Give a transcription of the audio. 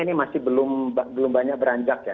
ini masih belum banyak beranjak ya